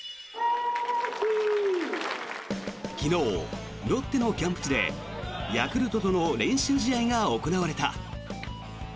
昨日、ロッテのキャンプ地でヤクルトとの練習試合が行われた。